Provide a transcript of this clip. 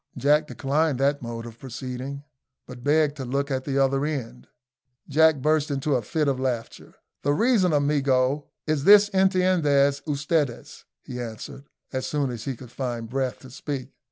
Jack declined that mode of proceeding, but begged to look at the other end. Jack burst into a fit of laughter. "The reason, amigo, is this intendez ustedes," he answered, as soon as he could find breath to speak.